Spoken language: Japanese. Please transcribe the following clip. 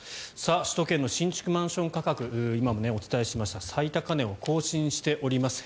首都圏の新築マンション価格今もお伝えしました最高値を更新しております。